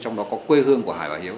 trong đó có quê hương của hải và hiếu